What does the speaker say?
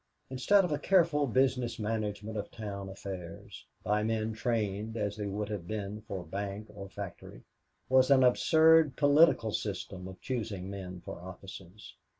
Instead of a careful business management of town affairs, by men trained as they would have been for bank or factory, was an absurd political system of choosing men for offices.